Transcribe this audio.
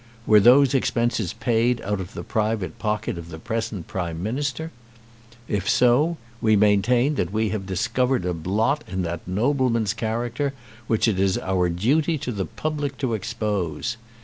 Were those expenses paid out of the private pocket of the present Prime Minister? If so, we maintain that we have discovered a blot in that nobleman's character which it is our duty to the public to expose.